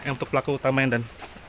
yang untuk pelaku utamanya dan